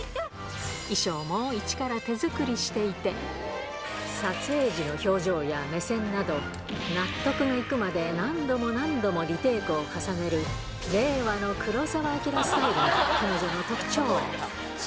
衣装も一から手作りしていて、撮影時の表情や目線など、納得のいくまで何度も何度もリテークを重ねる令和の黒澤明スタイルが彼女の特徴。